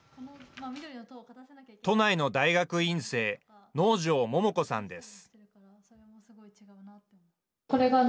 都内の大学院生能條桃子さんです。